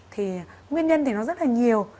thì nguyên nhân thì nó rất là nhiều